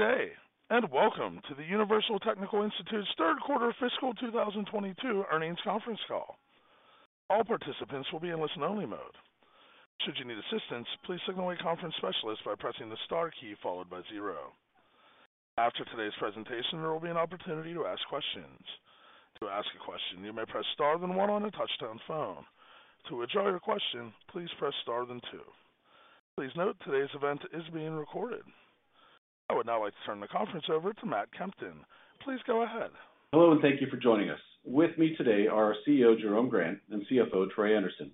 Good day, and welcome to the Universal Technical Institute's third quarter fiscal 2022 earnings conference call. All participants will be in listen-only mode. Should you need assistance, please signal a conference specialist by pressing the star key followed by zero. After today's presentation, there will be an opportunity to ask questions. To ask a question, you may press star then one on a touch-tone phone. To withdraw your question, please press star then two. Please note today's event is being recorded. I would now like to turn the conference over to Matt Kempton. Please go ahead. Hello, and thank you for joining us. With me today are our CEO, Jerome Grant, and CFO, Troy Anderson.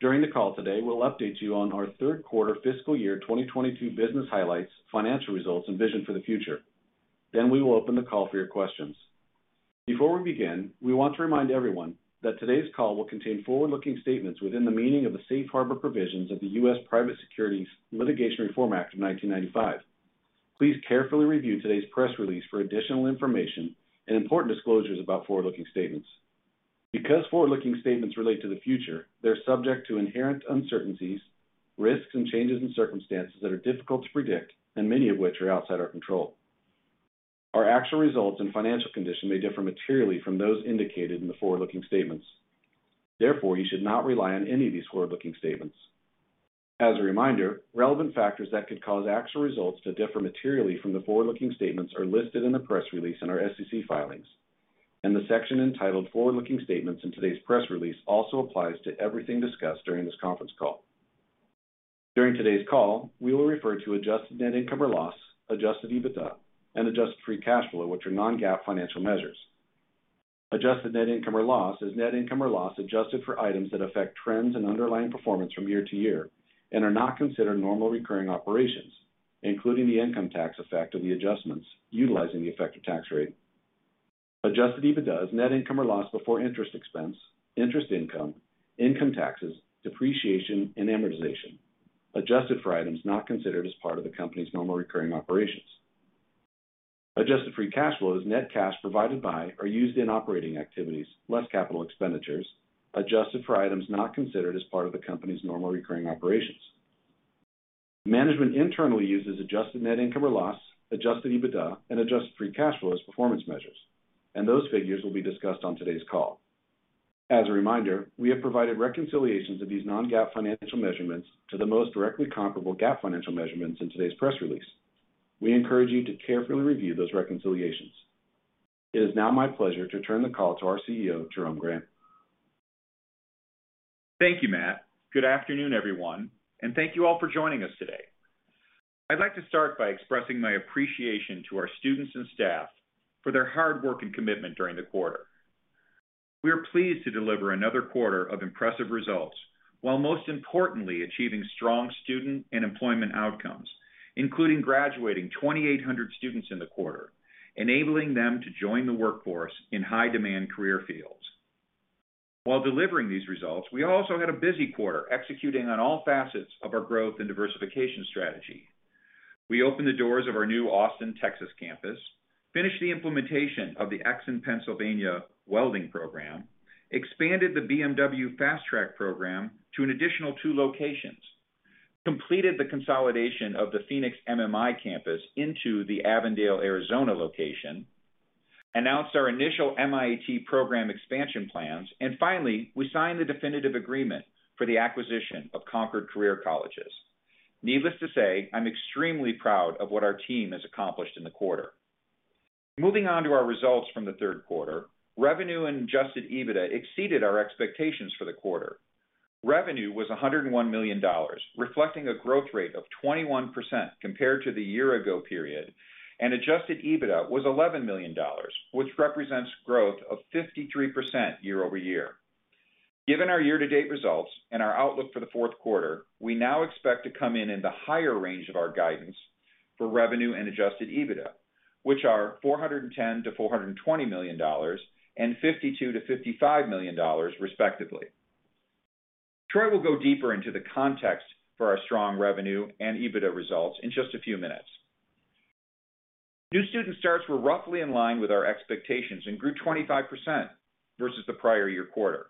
During the call today, we'll update you on our third quarter fiscal year 2022 business highlights, financial results, and vision for the future. Then we will open the call for your questions. Before we begin, we want to remind everyone that today's call will contain forward-looking statements within the meaning of the Safe Harbor Provisions of the U.S. Private Securities Litigation Reform Act of 1995. Please carefully review today's press release for additional information and important disclosures about forward-looking statements. Because forward-looking statements relate to the future, they're subject to inherent uncertainties, risks, and changes in circumstances that are difficult to predict and many of which are outside our control. Our actual results and financial condition may differ materially from those indicated in the forward-looking statements. Therefore, you should not rely on any of these forward-looking statements. As a reminder, relevant factors that could cause actual results to differ materially from the forward-looking statements are listed in the press release in our SEC filings, and the section entitled Forward-Looking Statements in today's press release also applies to everything discussed during this conference call. During today's call, we will refer to adjusted net income or loss, adjusted EBITDA, and adjusted free cash flow, which are non-GAAP financial measures. Adjusted net income or loss is net income or loss adjusted for items that affect trends and underlying performance from year to year and are not considered normal recurring operations, including the income tax effect of the adjustments utilizing the effective tax rate. Adjusted EBITDA is net income or loss before interest expense, interest income taxes, depreciation, and amortization, adjusted for items not considered as part of the company's normal recurring operations. Adjusted free cash flow is net cash provided by or used in operating activities, less capital expenditures, adjusted for items not considered as part of the company's normal recurring operations. Management internally uses adjusted net income or loss, adjusted EBITDA, and adjusted free cash flow as performance measures, and those figures will be discussed on today's call. As a reminder, we have provided reconciliations of these non-GAAP financial measurements to the most directly comparable GAAP financial measurements in today's press release. We encourage you to carefully review those reconciliations. It is now my pleasure to turn the call to our CEO, Jerome Grant. Thank you, Matt. Good afternoon, everyone, and thank you all for joining us today. I'd like to start by expressing my appreciation to our students and staff for their hard work and commitment during the quarter. We are pleased to deliver another quarter of impressive results, while most importantly achieving strong student and employment outcomes, including graduating 2,800 students in the quarter, enabling them to join the workforce in high-demand career fields. While delivering these results, we also had a busy quarter executing on all facets of our growth and diversification strategy. We opened the doors of our new Austin, Texas campus, finished the implementation of the Exton, Pennsylvania welding program, expanded the BMW FastTrack program to an additional two locations, completed the consolidation of the Phoenix MMI campus into the Avondale, Arizona location, announced our initial MIAT program expansion plans, and finally, we signed the definitive agreement for the acquisition of Concorde Career Colleges. Needless to say, I'm extremely proud of what our team has accomplished in the quarter. Moving on to our results from the third quarter, revenue and adjusted EBITDA exceeded our expectations for the quarter. Revenue was $101 million, reflecting a growth rate of 21% compared to the year ago period, and adjusted EBITDA was $11 million, which represents growth of 53% year-over-year. Given our year-to-date results and our outlook for the fourth quarter, we now expect to come in in the higher range of our guidance for revenue and adjusted EBITDA, which are $410 million-$420 million and $52 million-$55 million, respectively. Troy will go deeper into the context for our strong revenue and EBITDA results in just a few minutes. New student starts were roughly in line with our expectations and grew 25% versus the prior year quarter.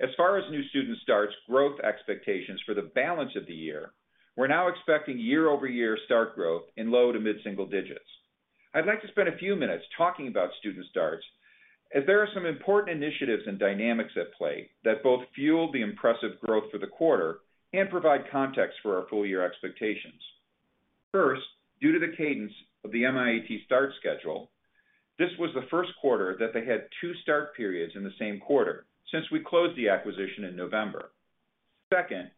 As far as new student starts growth expectations for the balance of the year, we're now expecting year-over-year start growth in low to mid-single digits. I'd like to spend a few minutes talking about student starts as there are some important initiatives and dynamics at play that both fuel the impressive growth for the quarter and provide context for our full year expectations. First, due to the cadence of the MIAT start schedule, this was the first quarter that they had 2 start periods in the same quarter since we closed the acquisition in November. Second,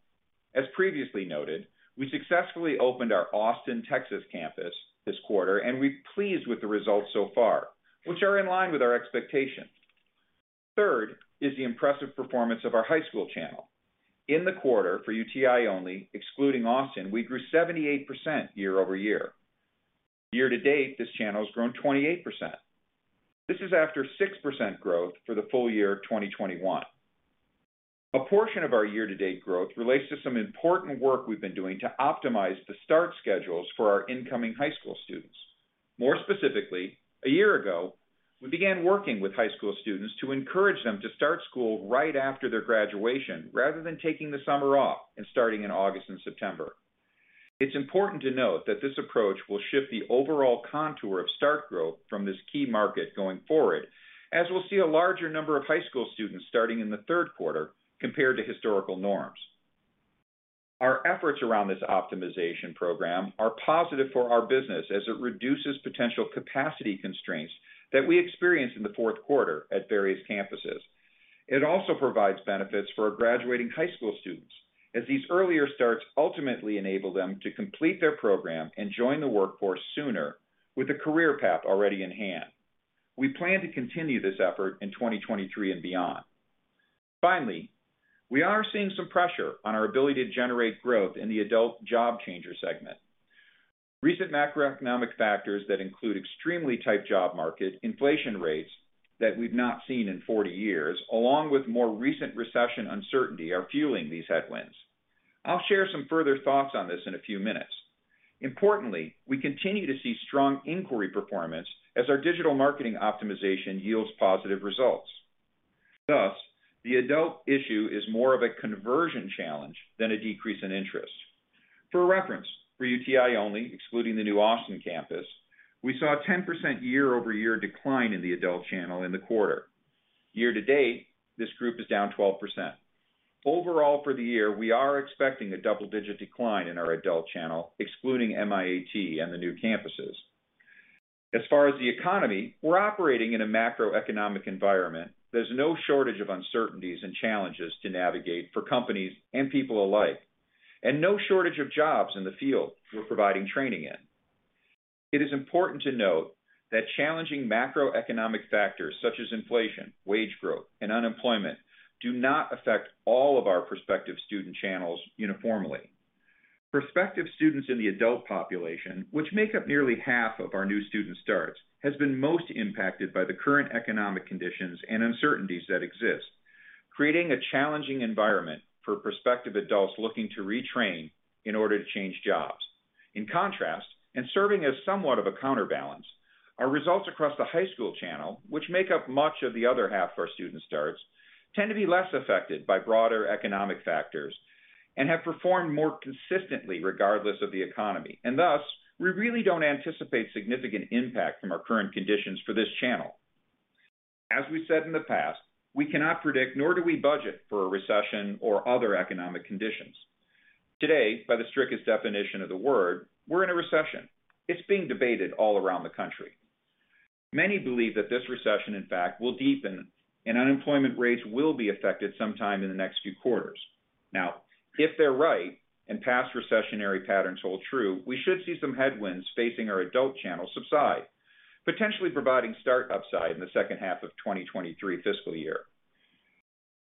as previously noted, we successfully opened our Austin, Texas campus this quarter, and we're pleased with the results so far, which are in line with our expectations. Third is the impressive performance of our high school channel. In the quarter, for UTI only, excluding Austin, we grew 78% year-over-year. Year to date, this channel has grown 28%. This is after 6% growth for the full year 2021. A portion of our year-to-date growth relates to some important work we've been doing to optimize the start schedules for our incoming high school students. More specifically, a year ago, we began working with high school students to encourage them to start school right after their graduation, rather than taking the summer off and starting in August and September. It's important to note that this approach will shift the overall contour of start growth from this key market going forward, as we'll see a larger number of high school students starting in the third quarter compared to historical norms. Our efforts around this optimization program are positive for our business as it reduces potential capacity constraints that we experienced in the fourth quarter at various campuses. It also provides benefits for our graduating high school students as these earlier starts ultimately enable them to complete their program and join the workforce sooner with a career path already in hand. We plan to continue this effort in 2023 and beyond. Finally, we are seeing some pressure on our ability to generate growth in the adult job changer segment. Recent macroeconomic factors that include extremely tight job market, inflation rates that we've not seen in 40 years, along with more recent recession uncertainty are fueling these headwinds. I'll share some further thoughts on this in a few minutes. Importantly, we continue to see strong inquiry performance as our digital marketing optimization yields positive results. Thus, the adult issue is more of a conversion challenge than a decrease in interest. For reference, for UTI only, excluding the new Austin campus, we saw a 10% year-over-year decline in the adult channel in the quarter. Year to date, this group is down 12%. Overall, for the year, we are expecting a double-digit decline in our adult channel, excluding MIAT and the new campuses. As far as the economy, we're operating in a macroeconomic environment. There's no shortage of uncertainties and challenges to navigate for companies and people alike, and no shortage of jobs in the field we're providing training in. It is important to note that challenging macroeconomic factors such as inflation, wage growth, and unemployment do not affect all of our prospective student channels uniformly. Prospective students in the adult population, which make up nearly half of our new student starts, has been most impacted by the current economic conditions and uncertainties that exist, creating a challenging environment for prospective adults looking to retrain in order to change jobs. In contrast, and serving as somewhat of a counterbalance, our results across the high school channel, which make up much of the other half of our student starts, tend to be less affected by broader economic factors and have performed more consistently regardless of the economy. Thus, we really don't anticipate significant impact from our current conditions for this channel. As we said in the past, we cannot predict nor do we budget for a recession or other economic conditions. Today, by the strictest definition of the word, we're in a recession. It's being debated all around the country. Many believe that this recession, in fact, will deepen and unemployment rates will be affected sometime in the next few quarters. Now, if they're right, and past recessionary patterns hold true, we should see some headwinds facing our adult channel subside, potentially providing some upside in the second half of 2023 fiscal year.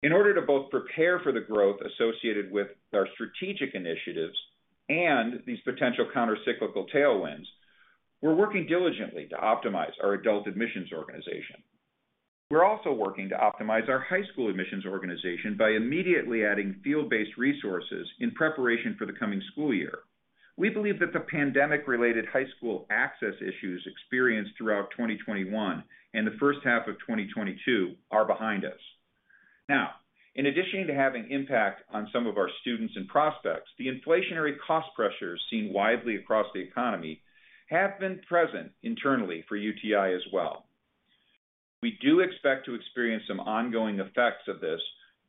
In order to both prepare for the growth associated with our strategic initiatives and these potential countercyclical tailwinds, we're working diligently to optimize our adult admissions organization. We're also working to optimize our high school admissions organization by immediately adding field-based resources in preparation for the coming school year. We believe that the pandemic-related high school access issues experienced throughout 2021 and the first half of 2022 are behind us. Now, in addition to having impact on some of our students and prospects, the inflationary cost pressures seen widely across the economy have been present internally for UTI as well. We do expect to experience some ongoing effects of this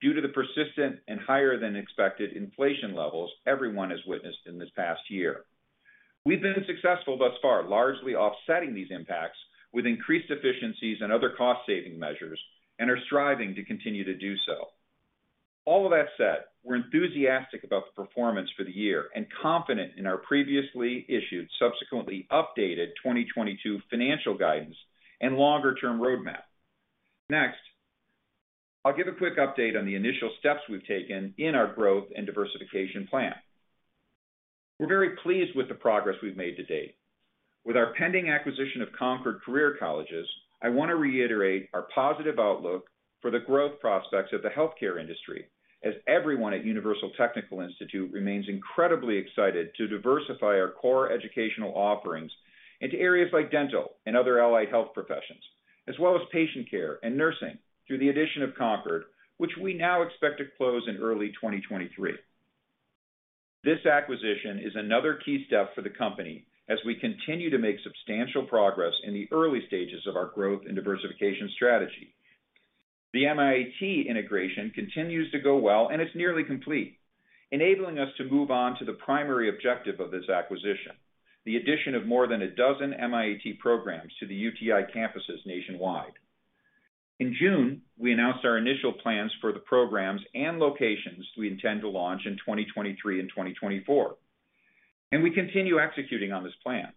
due to the persistent and higher than expected inflation levels everyone has witnessed in this past year. We've been successful thus far, largely offsetting these impacts with increased efficiencies and other cost-saving measures, and are striving to continue to do so. All of that said, we're enthusiastic about the performance for the year and confident in our previously issued, subsequently updated 2022 financial guidance and longer-term roadmap. Next, I'll give a quick update on the initial steps we've taken in our growth and diversification plan. We're very pleased with the progress we've made to date. With our pending acquisition of Concorde Career Colleges, I want to reiterate our positive outlook for the growth prospects of the healthcare industry, as everyone at Universal Technical Institute remains incredibly excited to diversify our core educational offerings into areas like dental and other allied health professions, as well as patient care and nursing through the addition of Concorde, which we now expect to close in early 2023. This acquisition is another key step for the company as we continue to make substantial progress in the early stages of our growth and diversification strategy. The MIAT integration continues to go well and it's nearly complete, enabling us to move on to the primary objective of this acquisition, the addition of more than a dozen MIAT programs to the UTI campuses nationwide. In June, we announced our initial plans for the programs and locations we intend to launch in 2023 and 2024, and we continue executing on this plan.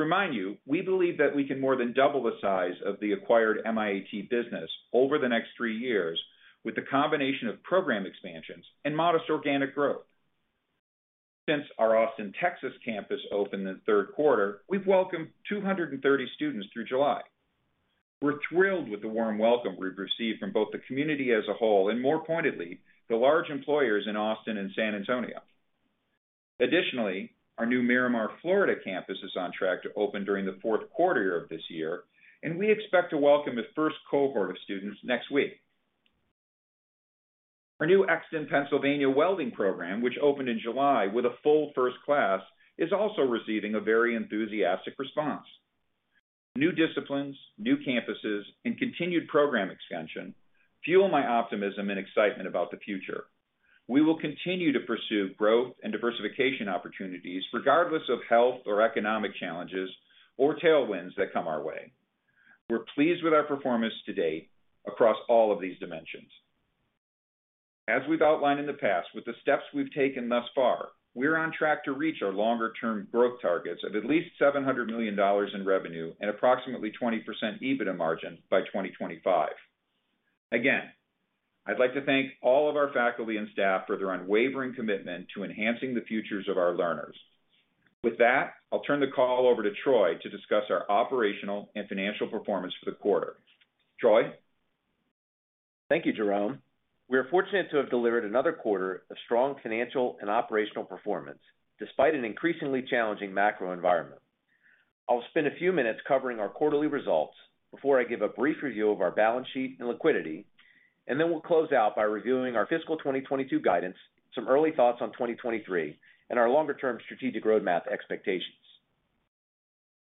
To remind you, we believe that we can more than double the size of the acquired MIAT business over the next three years with the combination of program expansions and modest organic growth. Since our Austin, Texas campus opened in the third quarter, we've welcomed 230 students through July. We're thrilled with the warm welcome we've received from both the community as a whole, and more pointedly, the large employers in Austin and San Antonio. Additionally, our new Miramar, Florida campus is on track to open during the fourth quarter of this year, and we expect to welcome the first cohort of students next week. Our new Exton, Pennsylvania welding program, which opened in July with a full first class, is also receiving a very enthusiastic response. New disciplines, new campuses, and continued program expansion fuel my optimism and excitement about the future. We will continue to pursue growth and diversification opportunities regardless of health or economic challenges or tailwinds that come our way. We're pleased with our performance to date across all of these dimensions. As we've outlined in the past, with the steps we've taken thus far, we're on track to reach our longer-term growth targets of at least $700 million in revenue and approximately 20% EBITDA margin by 2025. Again, I'd like to thank all of our faculty and staff for their unwavering commitment to enhancing the futures of our learners. With that, I'll turn the call over to Troy to discuss our operational and financial performance for the quarter. Troy? Thank you, Jerome. We are fortunate to have delivered another quarter of strong financial and operational performance despite an increasingly challenging macro environment. I'll spend a few minutes covering our quarterly results before I give a brief review of our balance sheet and liquidity, and then we'll close out by reviewing our fiscal 2022 guidance, some early thoughts on 2023, and our longer-term strategic roadmap expectations.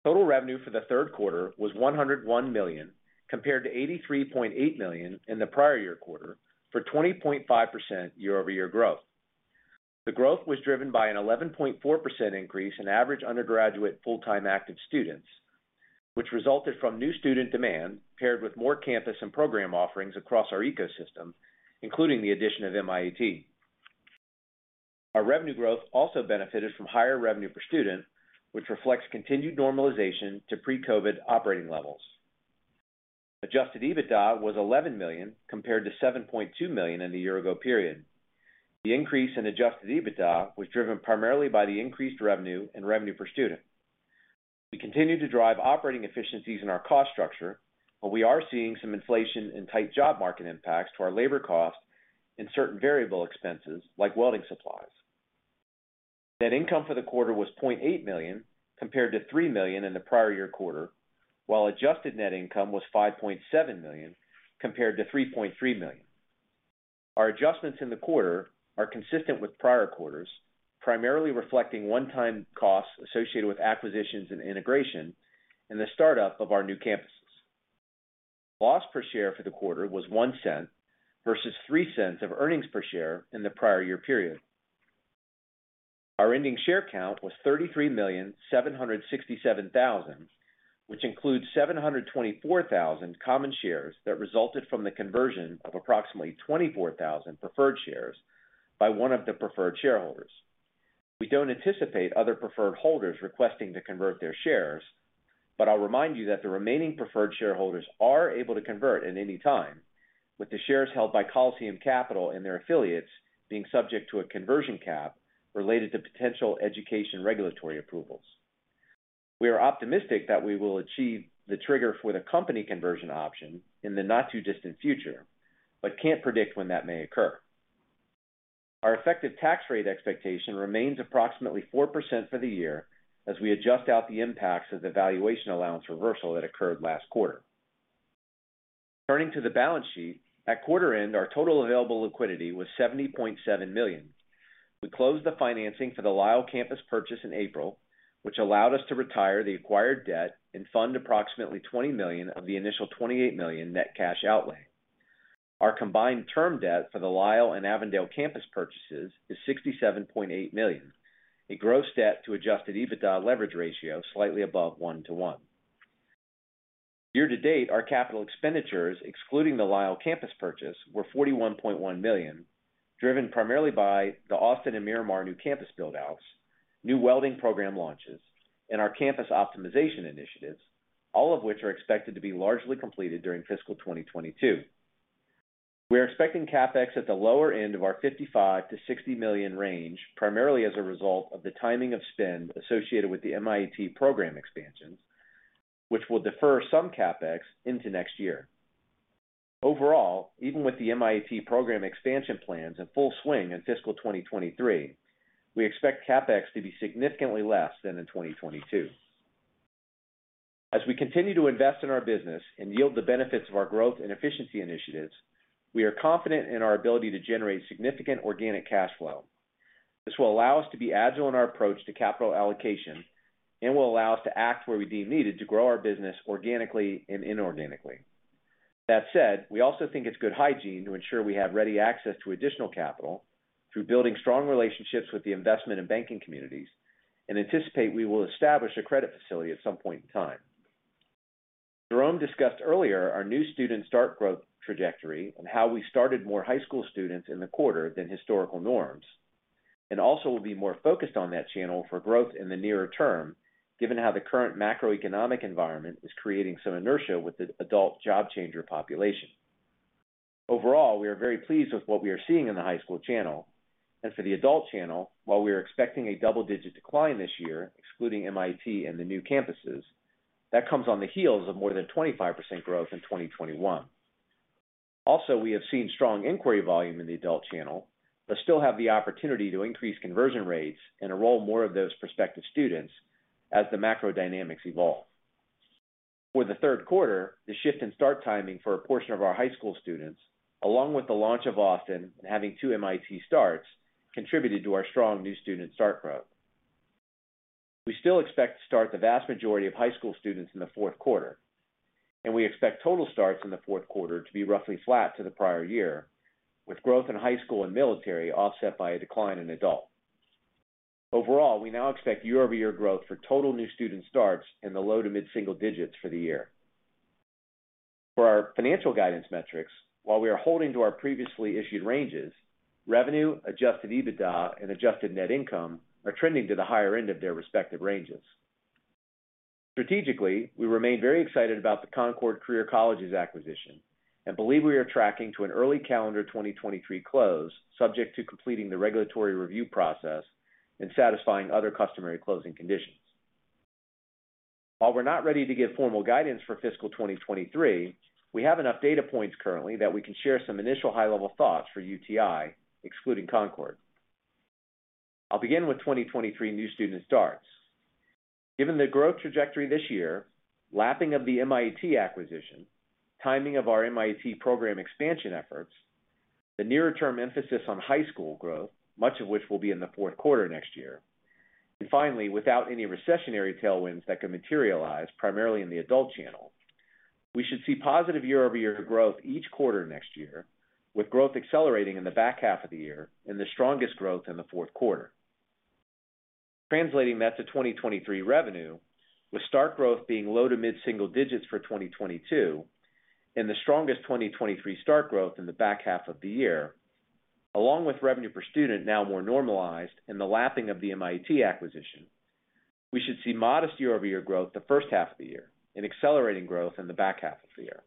Total revenue for the third quarter was $101 million, compared to $83.8 million in the prior year quarter, for 20.5% year-over-year growth. The growth was driven by an 11.4% increase in average undergraduate full-time active students, which resulted from new student demand paired with more campus and program offerings across our ecosystem, including the addition of MIAT. Our revenue growth also benefited from higher revenue per student, which reflects continued normalization to pre-COVID operating levels. Adjusted EBITDA was $11 million compared to $7.2 million in the year ago period. The increase in adjusted EBITDA was driven primarily by the increased revenue and revenue per student. We continue to drive operating efficiencies in our cost structure, but we are seeing some inflation in tight job market impacts to our labor costs and certain variable expenses like welding supplies. Net income for the quarter was $0.8 million, compared to $3 million in the prior year quarter, while adjusted net income was $5.7 million compared to $3.3 million. Our adjustments in the quarter are consistent with prior quarters, primarily reflecting one-time costs associated with acquisitions and integration and the startup of our new campuses. Loss per share for the quarter was $0.01 versus $0.03 of earnings per share in the prior year period. Our ending share count was 33,767,000, which includes 724,000 common shares that resulted from the conversion of approximately 24,000 preferred shares by one of the preferred shareholders. We don't anticipate other preferred holders requesting to convert their shares, but I'll remind you that the remaining preferred shareholders are able to convert at any time, with the shares held by Coliseum Capital Management and their affiliates being subject to a conversion cap related to potential education regulatory approvals. We are optimistic that we will achieve the trigger for the company conversion option in the not-too-distant future, but can't predict when that may occur. Our effective tax rate expectation remains approximately 4% for the year as we adjust out the impacts of the valuation allowance reversal that occurred last quarter. Turning to the balance sheet, at quarter end, our total available liquidity was $70.7 million. We closed the financing for the Lisle Campus purchase in April, which allowed us to retire the acquired debt and fund approximately $20 million of the initial $28 million net cash outlay. Our combined term debt for the Lisle and Avondale Campus purchases is $67.8 million, a gross debt to adjusted EBITDA leverage ratio slightly above 1:1. Year to date, our capital expenditures, excluding the Lisle Campus purchase, were $41.1 million, driven primarily by the Austin and Miramar new campus build-outs, new welding program launches, and our campus optimization initiatives, all of which are expected to be largely completed during fiscal 2022. We are expecting CapEx at the lower end of our $55 million-$60 million range, primarily as a result of the timing of spend associated with the MIAT program expansions, which will defer some CapEx into next year. Overall, even with the MIAT program expansion plans in full swing in fiscal 2023, we expect CapEx to be significantly less than in 2022. As we continue to invest in our business and yield the benefits of our growth and efficiency initiatives, we are confident in our ability to generate significant organic cash flow. This will allow us to be agile in our approach to capital allocation and will allow us to act where we deem needed to grow our business organically and inorganically. That said, we also think it's good hygiene to ensure we have ready access to additional capital through building strong relationships with the investment and banking communities, and anticipate we will establish a credit facility at some point in time. Jerome discussed earlier our new student start growth trajectory and how we started more high school students in the quarter than historical norms, and also will be more focused on that channel for growth in the nearer term, given how the current macroeconomic environment is creating some inertia with the adult job changer population. Overall, we are very pleased with what we are seeing in the high school channel. For the adult channel, while we are expecting a double-digit decline this year, excluding MIAT and the new campuses, that comes on the heels of more than 25% growth in 2021. Also, we have seen strong inquiry volume in the adult channel, but still have the opportunity to increase conversion rates and enroll more of those prospective students as the macro dynamics evolve. For the third quarter, the shift in start timing for a portion of our high school students, along with the launch of Austin and having two MIAT starts, contributed to our strong new student start growth. We still expect to start the vast majority of high school students in the fourth quarter, and we expect total starts in the fourth quarter to be roughly flat to the prior year, with growth in high school and military offset by a decline in adult. Overall, we now expect year-over-year growth for total new student starts in the low- to mid-single digits for the year. For our financial guidance metrics, while we are holding to our previously issued ranges, revenue, adjusted EBITDA, and adjusted net income are trending to the higher end of their respective ranges. Strategically, we remain very excited about the Concorde Career Colleges acquisition and believe we are tracking to an early calendar 2023 close, subject to completing the regulatory review process and satisfying other customary closing conditions. While we're not ready to give formal guidance for fiscal 2023, we have enough data points currently that we can share some initial high-level thoughts for UTI, excluding Concorde. I'll begin with 2023 new student starts. Given the growth trajectory this year, lapping of the MIAT acquisition, timing of our MIAT program expansion efforts, the near-term emphasis on high school growth, much of which will be in the fourth quarter next year, and finally, without any recessionary tailwinds that could materialize primarily in the adult channel, we should see positive year-over-year growth each quarter next year, with growth accelerating in the back half of the year and the strongest growth in the fourth quarter. Translating that to 2023 revenue, with start growth being low- to mid-single digits for 2022 and the strongest 2023 start growth in the back half of the year, along with revenue per student now more normalized and the lapping of the MIAT acquisition, we should see modest year-over-year growth the first half of the year and accelerating growth in the back half of the year.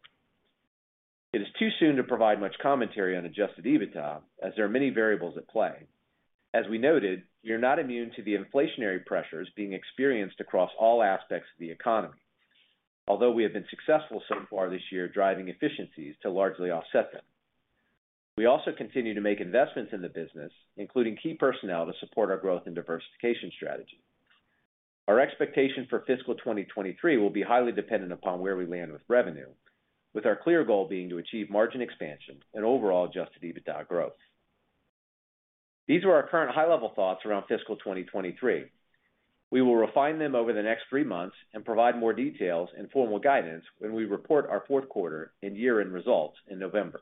It is too soon to provide much commentary on adjusted EBITDA, as there are many variables at play. As we noted, you're not immune to the inflationary pressures being experienced across all aspects of the economy, although we have been successful so far this year driving efficiencies to largely offset them. We also continue to make investments in the business, including key personnel to support our growth and diversification strategy. Our expectation for fiscal 2023 will be highly dependent upon where we land with revenue, with our clear goal being to achieve margin expansion and overall adjusted EBITDA growth. These were our current high-level thoughts around fiscal 2023. We will refine them over the next three months and provide more details and formal guidance when we report our fourth quarter and year-end results in November.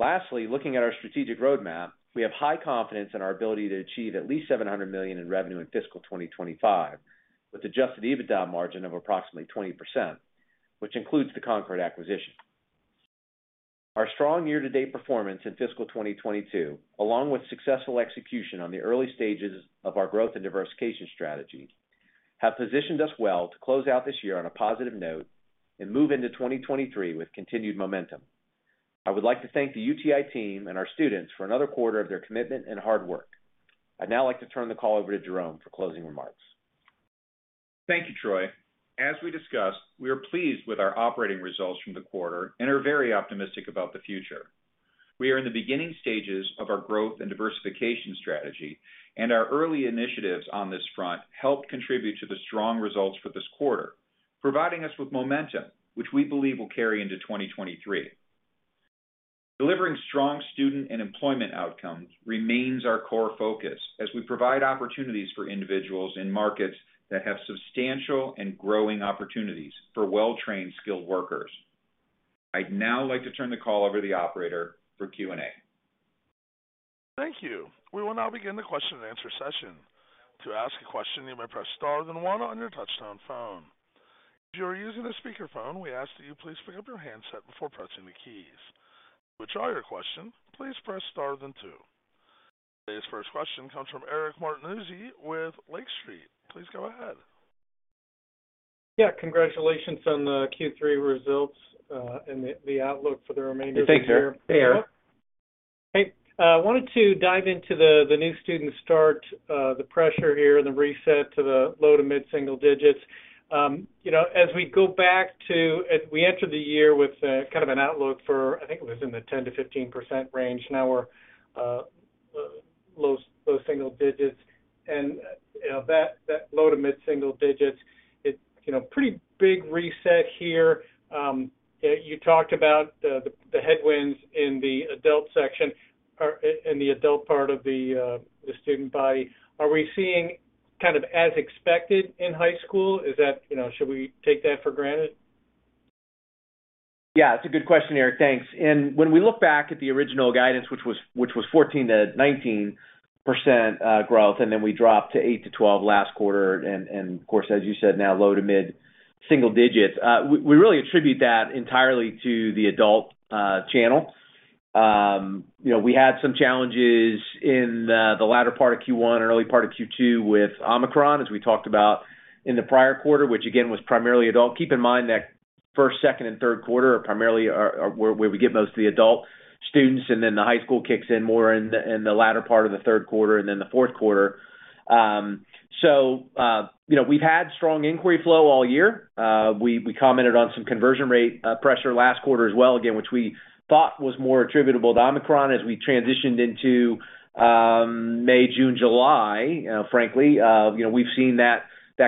Lastly, looking at our strategic roadmap, we have high confidence in our ability to achieve at least $700 million in revenue in fiscal 2025, with adjusted EBITDA margin of approximately 20%, which includes the Concorde acquisition. Our strong year-to-date performance in fiscal 2022, along with successful execution on the early stages of our growth and diversification strategy, have positioned us well to close out this year on a positive note and move into 2023 with continued momentum. I would like to thank the UTI team and our students for another quarter of their commitment and hard work. I'd now like to turn the call over to Jerome for closing remarks. Thank you, Troy. As we discussed, we are pleased with our operating results from the quarter and are very optimistic about the future. We are in the beginning stages of our growth and diversification strategy, and our early initiatives on this front helped contribute to the strong results for this quarter, providing us with momentum, which we believe will carry into 2023. Delivering strong student and employment outcomes remains our core focus as we provide opportunities for individuals in markets that have substantial and growing opportunities for well-trained, skilled workers. I'd now like to turn the call over to the operator for Q&A. Thank you. We will now begin the question-and-answer session. To ask a question, you may press star then one on your touchtone phone. If you are using a speakerphone, we ask that you please pick up your handset before pressing the keys. To withdraw your question, please press star then two. Today's first question comes from Eric Martinuzzi with Lake Street. Please go ahead. Yeah, congratulations on the Q3 results and the outlook for the remainder of the year. Thank you, Eric. Hey, I wanted to dive into the new student start, the pressure here and the reset to the low- to mid-single digits. You know, we entered the year with kind of an outlook for, I think, it was in the 10%-15% range. Now we're low single digits. You know, that low- to mid-single digits you know, pretty big reset here. You talked about the headwinds in the adult section or in the adult part of the student body. Are we seeing kind of as expected in high school? Is that, you know, should we take that for granted? Yeah, it's a good question, Eric Martinuzzi. Thanks. When we look back at the original guidance, which was 14%-19% growth, and then we dropped to 8%-12% last quarter, and of course, as you said, now low- to mid-single digits, we really attribute that entirely to the adult channel. You know, we had some challenges in the latter part of Q1 and early part of Q2 with Omicron, as we talked about in the prior quarter, which again, was primarily adult. Keep in mind that first, second and third quarter are primarily where we give most of the adult students, and then the high school kicks in more in the latter part of the third quarter and then the fourth quarter. You know, we've had strong inquiry flow all year. We commented on some conversion rate pressure last quarter as well, again, which we thought was more attributable to Omicron as we transitioned into May, June, July, you know, frankly. You know, we've seen that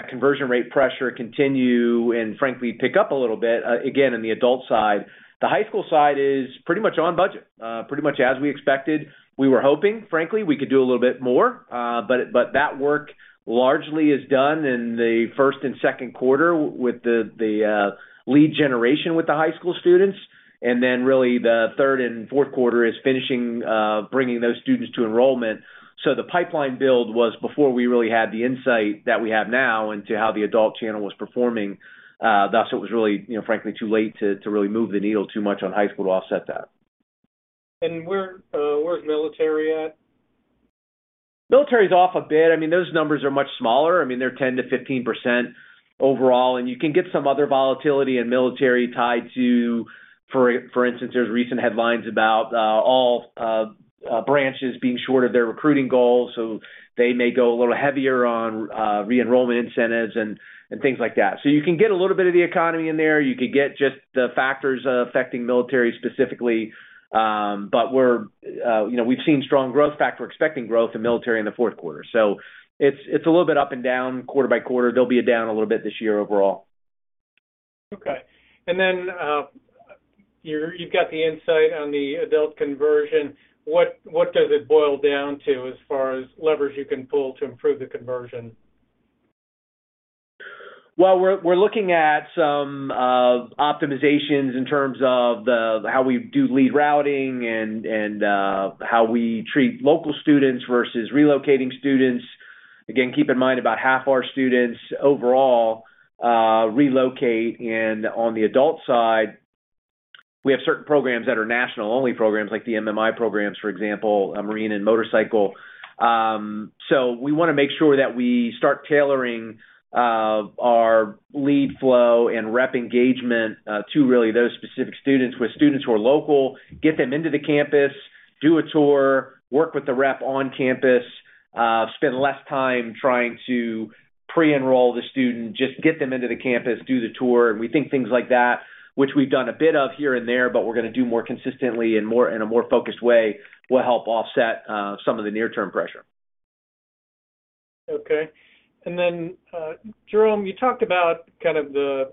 conversion rate pressure continue and frankly pick up a little bit, again, in the adult side. The high school side is pretty much on budget, pretty much as we expected. We were hoping, frankly, we could do a little bit more, but that work largely is done in the first and second quarter with the lead generation with the high school students. Then really the third and fourth quarter is finishing, bringing those students to enrollment. The pipeline build was before we really had the insight that we have now into how the adult channel was performing, thus it was really, you know, frankly, too late to really move the needle too much on high school to offset that. Where's military at? Military is off a bit. I mean, those numbers are much smaller. I mean, they're 10%-15% overall, and you can get some other volatility in military tied to, for instance, there's recent headlines about all branches being short of their recruiting goals, so they may go a little heavier on re-enrollment incentives and things like that. So you can get a little bit of the economy in there. You could get just the factors affecting military specifically. But we're, you know, we've seen strong growth. In fact, we're expecting growth in military in the fourth quarter. So it's a little bit up and down quarter by quarter. They'll be down a little bit this year overall. Okay. You've got the insight on the adult conversion. What does it boil down to as far as levers you can pull to improve the conversion? Well, we're looking at some optimizations in terms of how we do lead routing and how we treat local students versus relocating students. Again, keep in mind, about half our students overall relocate. On the adult side, we have certain programs that are national only programs like the MMI programs, for example, marine and motorcycle. We wanna make sure that we start tailoring our lead flow and rep engagement to really those specific students, where students who are local, get them into the campus, do a tour, work with the rep on campus, spend less time trying to pre-enroll the student, just get them into the campus, do the tour. We think things like that, which we've done a bit of here and there, but we're gonna do more consistently and more in a more focused way, will help offset some of the near-term pressure. Okay. Jerome, you talked about kind of the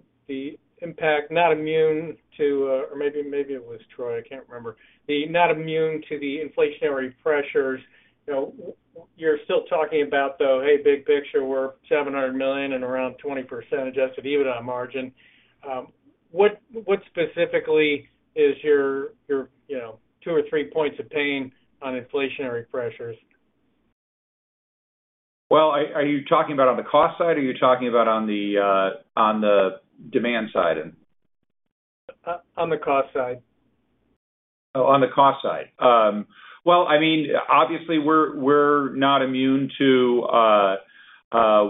impact, not immune to, or maybe it was Troy, I can't remember. Then not immune to the inflationary pressures. You know, we're still talking about, though, hey, big picture, we're $700 million and around 20% adjusted EBITDA margin. What specifically is your, you know, two or three points of pain on inflationary pressures? Well, are you talking about on the cost side or are you talking about on the demand side? On the cost side. Oh, on the cost side. Well, I mean, obviously, we're not immune to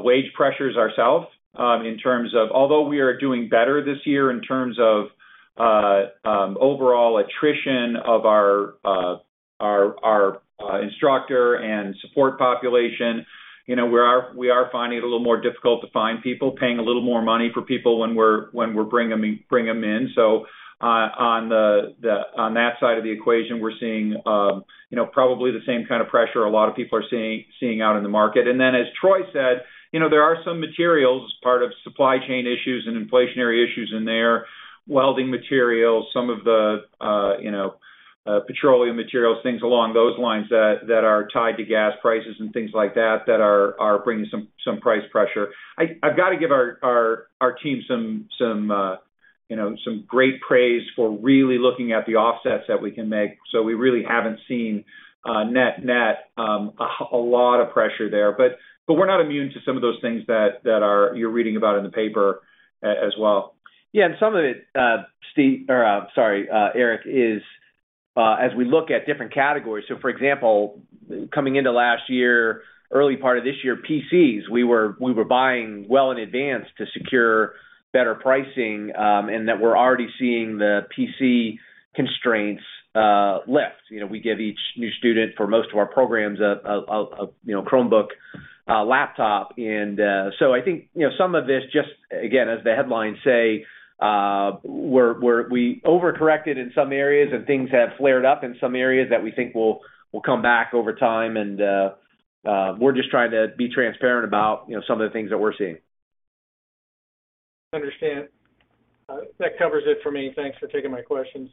wage pressures ourselves, although we are doing better this year in terms of overall attrition of our instructor and support population, you know, we are finding it a little more difficult to find people, paying a little more money for people when we're bring 'em in. On that side of the equation, we're seeing, you know, probably the same kind of pressure a lot of people are seeing out in the market. As Troy said, you know, there are some materials as part of supply chain issues and inflationary issues in there, welding materials, some of the, you know, petroleum materials, things along those lines that are tied to gas prices and things like that are bringing some price pressure. I've got to give our team some great praise for really looking at the offsets that we can make. We really haven't seen net a lot of pressure there. We're not immune to some of those things that are, you're reading about in the paper as well. Yeah. Some of it, Steve, or, sorry, Eric, is as we look at different categories. For example, coming into last year, early part of this year, PCs, we were buying well in advance to secure better pricing, and that we're already seeing the PC constraints lift. You know, we give each new student for most of our programs a you know, Chromebook laptop. I think, you know, some of this just, again, as the headlines say, we overcorrected in some areas and things have flared up in some areas that we think will come back over time. We're just trying to be transparent about, you know, some of the things that we're seeing. Understand. That covers it for me. Thanks for taking my questions.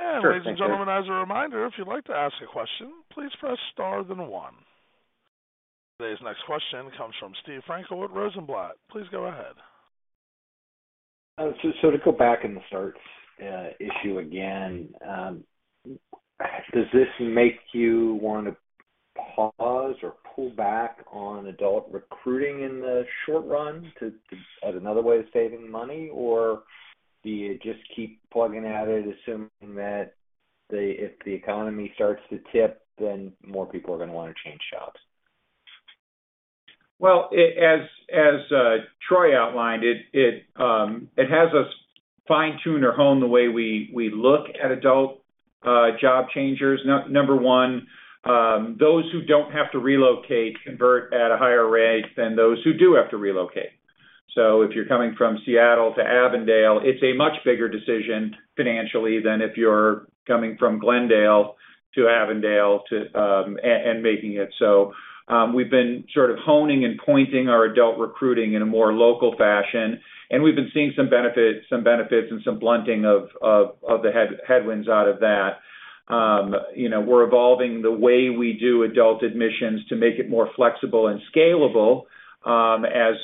Sure thing. Ladies and gentlemen, as a reminder, if you'd like to ask a question, please press star then one. Today's next question comes from Steve Frankel with Rosenblatt. Please go ahead. To go back to the start issue again, does this make you wanna pause or pull back on adult recruiting in the short run as another way of saving money? Or do you just keep plugging at it, assuming that if the economy starts to tip, then more people are gonna wanna change jobs? Well, as Troy outlined it has us fine-tune or hone the way we look at adult job changers. Number one, those who don't have to relocate convert at a higher rate than those who do have to relocate. If you're coming from Seattle to Avondale, it's a much bigger decision financially than if you're coming from Glendale to Avondale, and making it so. We've been sort of honing and pointing our adult recruiting in a more local fashion, and we've been seeing some benefit, some benefits and some blunting of the headwinds out of that. You know, we're evolving the way we do adult admissions to make it more flexible and scalable, as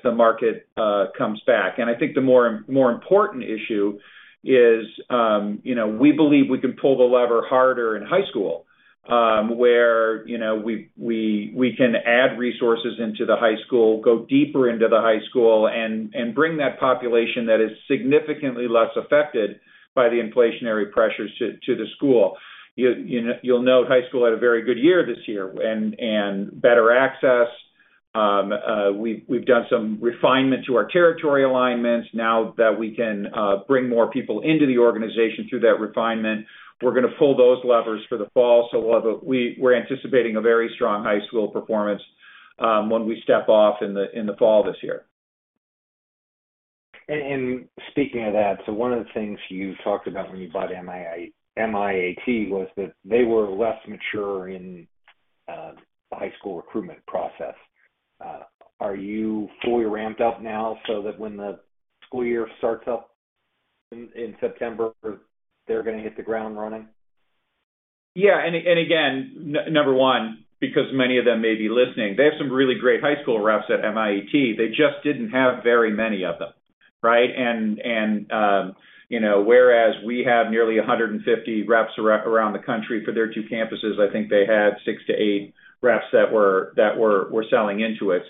the market comes back. I think the more important issue is, you know, we believe we can pull the lever harder in high school, where, you know, we can add resources into the high school, go deeper into the high school and bring that population that is significantly less affected by the inflationary pressures to the school. You'll note high school had a very good year this year and better access. We've done some refinement to our territory alignments now that we can bring more people into the organization through that refinement. We're gonna pull those levers for the fall, so we're anticipating a very strong high school performance when we step off in the fall this year. Speaking of that, one of the things you talked about when you bought MIAT was that they were less mature in the high school recruitment process. Are you fully ramped up now so that when the school year starts up in September, they're gonna hit the ground running? Number one, because many of them may be listening, they have some really great high school reps at MIAT. They just didn't have very many of them, right? You know, whereas we have nearly 150 reps around the country for their two campuses, I think they had six to eight reps that were selling into it.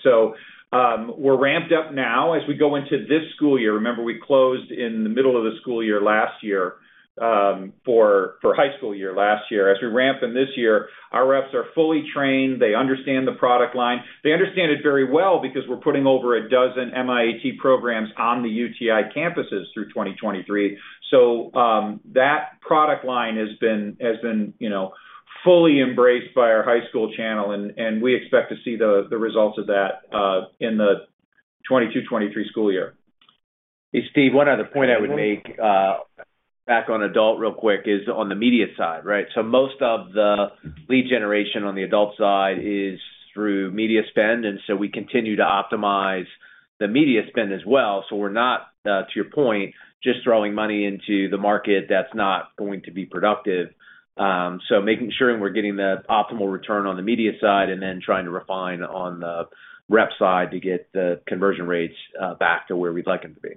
We're ramped up now as we go into this school year. Remember, we closed in the middle of the school year last year for high school year last year. As we ramp in this year, our reps are fully trained. They understand the product line. They understand it very well because we're putting over a dozen MIAT programs on the UTI campuses through 2023. That product line has been, you know, fully embraced by our high school channel, and we expect to see the results of that in the 2022/2023 school year. Hey, Steve, one other point I would make, back on adult real quick is on the media side, right? Most of the lead generation on the adult side is through media spend, and we continue to optimize the media spend as well. We're not, to your point, just throwing money into the market that's not going to be productive. Making sure we're getting the optimal return on the media side and then trying to refine on the rep side to get the conversion rates back to where we'd like them to be.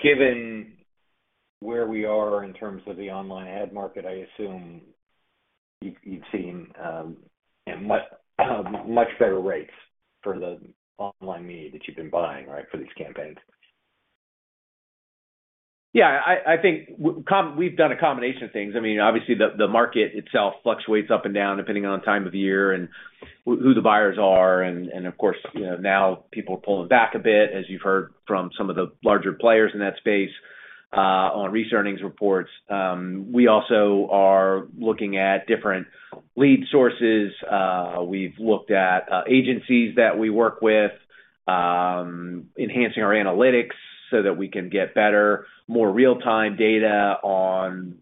Given where we are in terms of the online ad market, I assume you've seen much better rates for the online media that you've been buying, right, for these campaigns. Yeah. I think we've done a combination of things. I mean, obviously, the market itself fluctuates up and down depending on time of year and who the buyers are. Of course, you know, now people are pulling back a bit, as you've heard from some of the larger players in that space, on recent earnings reports. We also are looking at different lead sources. We've looked at agencies that we work with, enhancing our analytics so that we can get better, more real-time data on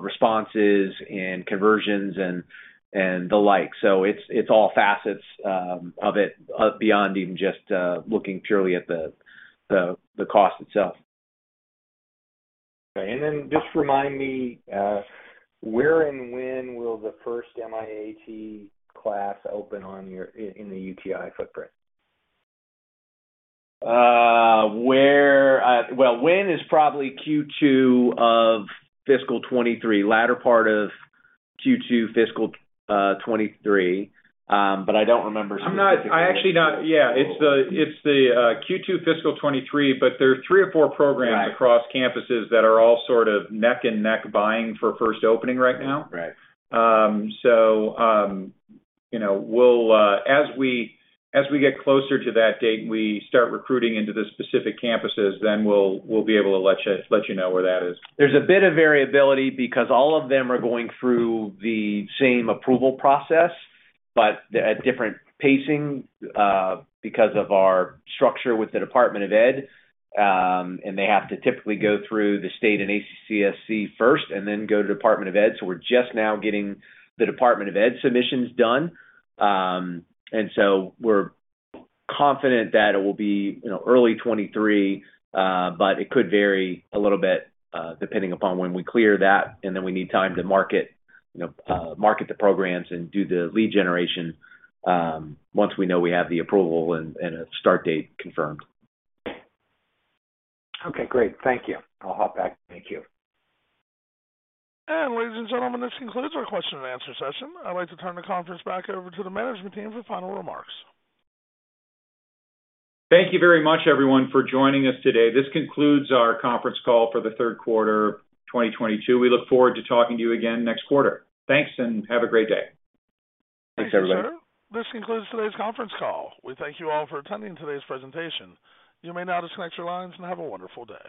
responses and conversions and the like. It's all facets of it beyond even just looking purely at the cost itself. Okay. Just remind me, where and when will the first MIAT class open in the UTI footprint? When is probably Q2 of fiscal 2023, latter part of Q2 fiscal 2023. I don't remember. I actually don't. Yeah. It's the Q2 fiscal 2023, but there are three or four programs. Right across campuses that are all sort of neck and neck vying for first opening right now. Right. You know, as we get closer to that date and we start recruiting into the specific campuses, then we'll be able to let you know where that is. There's a bit of variability because all of them are going through the same approval process, but at different pacing, because of our structure with the Department of Ed. They have to typically go through the state and ACCSC first and then go to Department of Ed. We're just now getting the Department of Ed submissions done. We're confident that it will be, you know, early 2023, but it could vary a little bit, depending upon when we clear that, and then we need time to market, you know, market the programs and do the lead generation, once we know we have the approval and a start date confirmed. Okay, great. Thank you. I'll hop back. Thank you. Ladies and gentlemen, this concludes our question and answer session. I'd like to turn the conference back over to the management team for final remarks. Thank you very much, everyone, for joining us today. This concludes our conference call for the third quarter 2022. We look forward to talking to you again next quarter. Thanks, and have a great day. Thanks, everybody. This concludes today's conference call. We thank you all for attending today's presentation. You may now disconnect your lines and have a wonderful day.